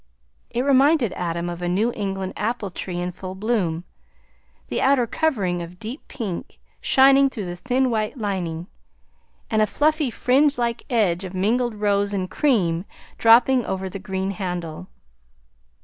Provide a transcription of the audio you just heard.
It reminded Adam of a New England apple tree in full bloom, the outer covering of deep pink shining through the thin white lining, and a fluffy, fringe like edge of mingled rose and cream dropping over the green handle.